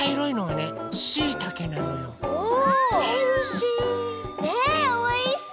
ねえおいしそう！